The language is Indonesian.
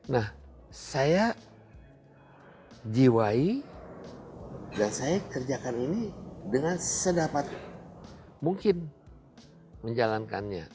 nah saya jiwai dan saya kerjakan ini dengan sedapat mungkin menjalankannya